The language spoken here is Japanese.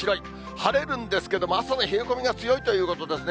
晴れるんですけれども、朝の冷え込みが強いということですね。